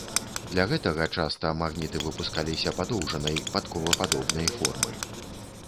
Для гэтага часта магніты выпускаліся падоўжанай, падковападобнай формы.